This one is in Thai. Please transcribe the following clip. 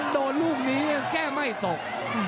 ลูกนี้แก้ไม่ตก